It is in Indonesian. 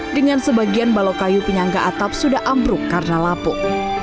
dengan sebagian balok kayu penyangga atap sudah ambruk karena lapuk